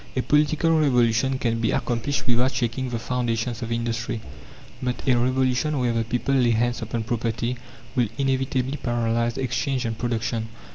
A political revolution can be accomplished without shaking the foundations of industry, but a revolution where the people lay hands upon property will inevitably paralyse exchange and production.